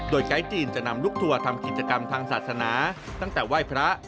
โดยไกด์จีนจะนำลูกทัวร์ทำกิจกรรมทางศาสนาตั้งแต่ไหว้พระ